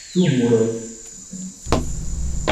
"Ĉu muroj?" li pensis.